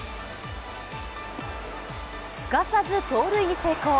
すかさず、盗塁に成功。